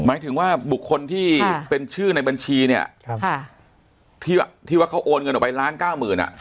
หมายถึงว่าบุคคลที่เป็นชื่อในบัญชีเนี่ยที่ว่าเขาโอนเงินออกไปล้านเก้าหมื่น